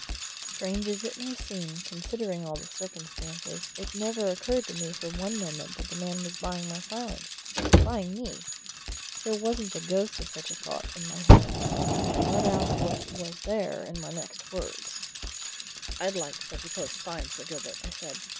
Strange as it may seem, considering all the circumstances, it never occurred to me for one moment that the man was buying my silence, buying me. There wasn't the ghost of such a thought in my head I let out what was there in my next words. "I'd like such a post fine, Sir Gilbert," I said.